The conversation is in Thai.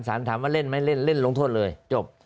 ถามว่าเล่นไหมเล่นเล่นลงโทษเลยจบ